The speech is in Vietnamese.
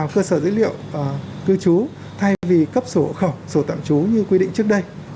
cơ sở dữ liệu cư trú thay vì cấp sổ hộ khẩu sổ tạm trú như quy định trước đây